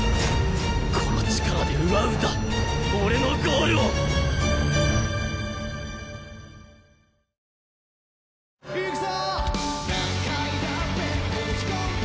この力で奪うんだ俺のゴールを！よし！